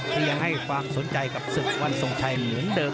ยังให้ความสนใจกับศึกวันทรงชัยเหมือนเดิม